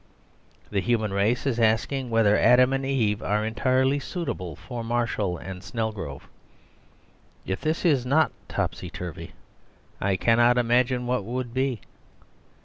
The human race is asking whether Adam and Eve are entirely suitable for Marshall and Snelgrove. If this is not topsy turvy I cannot imagine what would be.